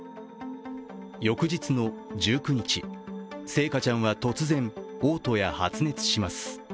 翌日の１９日、星華ちゃんは突然おう吐や発熱します。